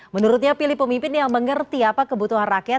menurutnya pilih pemimpin yang mengerti apa kebutuhan rakyat